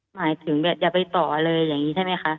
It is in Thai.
หมายถึงแบบอย่าไปต่อเลยอย่างนี้ใช่ไหมคะ